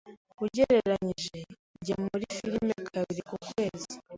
Ugereranije, njya muri firime kabiri mu kwezi.